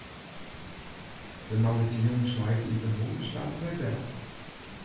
De moandeitejûns nei it iepen hûs waarden wy belle.